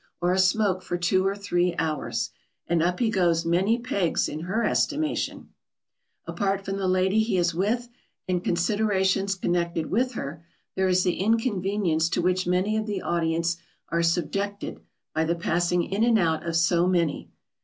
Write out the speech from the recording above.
or a smoke for two or three hours!" and up he goes many pegs in her estimation. [Sidenote: Other considerations.] Apart from the lady he is with and considerations connected with her, there is the inconvenience to which many of the audience are subjected by the passing in and out of so many.